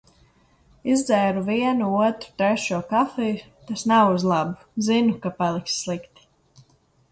Izdzēru vienu, otru, trešo kafiju, tas nav uz labu, zinu, ka paliks slikti.